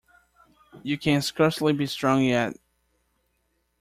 You can scarcely be strong yet.